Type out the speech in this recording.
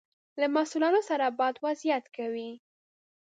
له محصلانو سره بد وضعیت کوي.